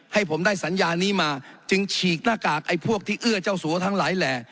ให้ผมได้สัญญานี้มาจึงฉีกหน้ากากไอ้พวกที่เอื้อเจ้าสัวทั้งหลายแหล่